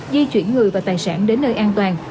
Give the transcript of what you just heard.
di chuyển người và tài sản đến nơi an toàn